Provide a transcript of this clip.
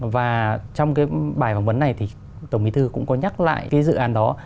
và trong bài phỏng vấn này tổng bí thư cũng có nhắc lại dự án đó